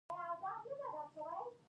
موږ باید د مقاومت تمرین وکړو.